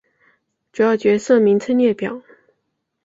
主要角色名称列表。